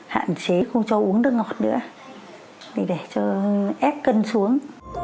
hạn chế không cho uống nước ngọt nữa để cho ép cân xuống